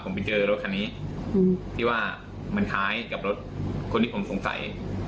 มันคล้ายกับรถคนที่ผมสงสัย